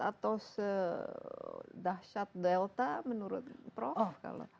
atau sedahsyat delta menurut prof